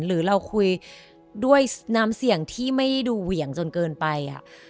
หรือเราคุยด้วยน้ำเสียงที่ไม่ดูเหวี่ยงจนเกินไป